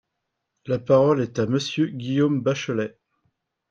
La parole est à Monsieur Guillaume Bachelay.